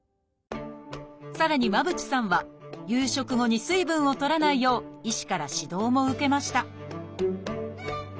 さらに間渕さんは夕食後に水分をとらないよう医師から指導も受けました